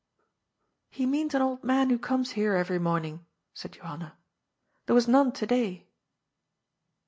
" He means an old man who comes here every morning," said Johanna. '^ There was none to day."